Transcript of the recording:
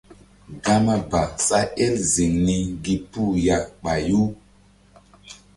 Gama ba sa el ziŋ ni gi puh ya ɓayu.